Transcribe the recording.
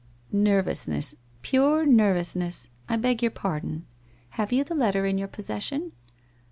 1 Nervousness, pure nervousness. 1 beg your pardon. Have you the letter in your possession?'